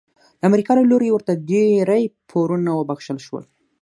د امریکا له لوري ورته ډیری پورونه وبخښل شول.